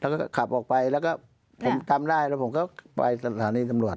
แล้วก็ขับออกไปแล้วก็ผมจำได้แล้วผมก็ไปสถานีตำรวจ